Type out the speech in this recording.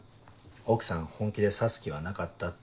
奥さん本気で刺す気はなかったって。